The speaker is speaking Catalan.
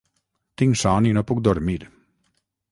Tinc son i no puc dormir